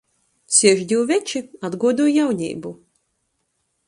Siež div veči, atcerās jauneibu...